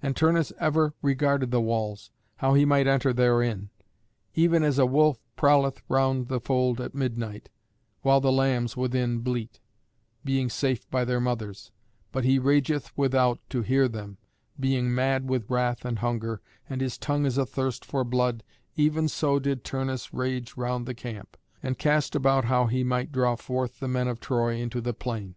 And Turnus ever regarded the walls, how he might enter therein. Even as a wolf prowleth round the fold at midnight, while the lambs within bleat, being safe by their mothers, but he rageth without to hear them, being mad with wrath and hunger, and his tongue is athirst for blood, even so did Turnus rage round the camp, and cast about how he might draw forth the men of Troy into the plain.